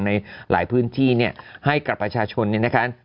ในหลายพื้นที่ให้กรรมประชาชนเนี่ยนะคะ